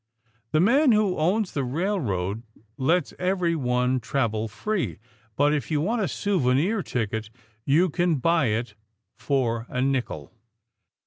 The man who owns the railroad lets everyone travel free, but if you want a souvenir ticket, you can buy it for a nickel!